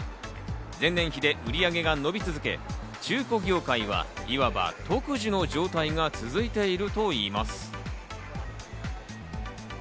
前年比で売り上げが伸び続け、中古業界はいわば特需の状態が続いているといいます。